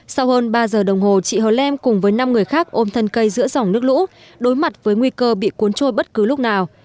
sau hơn ba giờ đồng hồ chị hờ lem cùng với năm người khác ôm thân cây giữa dòng nước lũ đối mặt với nguy cơ bị cuốn trôi bất cứ lúc nào